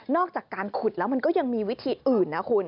อกจากการขุดแล้วมันก็ยังมีวิธีอื่นนะคุณ